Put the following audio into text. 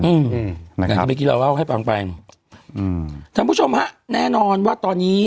อืมนะครับเดี๋ยวกี้เราเอาให้ต่างไปอืมท่านผู้ชมฮะแน่นอนว่าตอนนี้